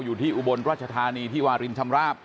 อยู่ที่อุบลราชธานีที่วารินทรรมราบ